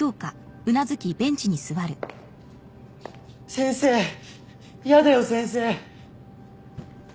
先生嫌だよ先生。